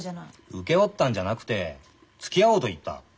請け負ったんじゃなくてつきあおうと言った。